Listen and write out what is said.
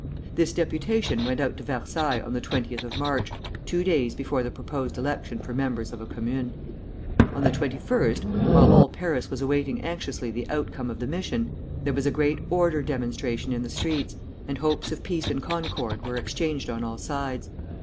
This deputation went out to Versailles on the 20th of March, two days before the proposed election for members of a commune. On the 21st, while all Paris was awaiting anxiously the outcome of the mission, there was a great "order" demonstration in the streets, and hopes of peace and concord were exchanged on all sides.